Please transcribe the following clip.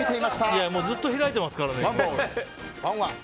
ずっと開いていますからね。